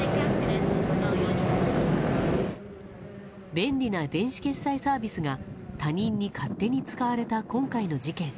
便利な電子決済サービスが他人に勝手に使われた今回の事件。